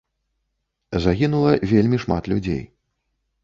Загінула вельмі шмат людзей.